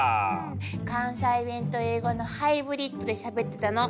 関西弁と英語のハイブリッドでしゃべってたの。